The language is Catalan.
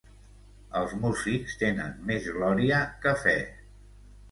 Els músics tenen més glòria que fe.